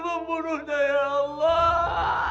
membunuhnya ya allah